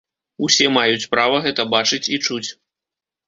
Усе маюць права гэта бачыць і чуць.